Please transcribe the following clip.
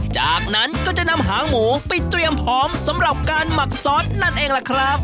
จากนั้นก็จะนำหางหมูไปเตรียมพร้อมสำหรับการหมักซอสนั่นเองล่ะครับ